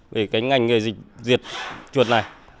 về cái ngành người dịch diệt chuột này